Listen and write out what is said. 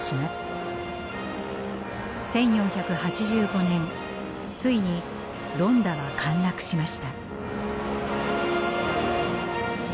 １４８５年ついにロンダは陥落しました。